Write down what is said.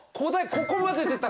ここまで出た